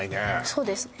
そうですね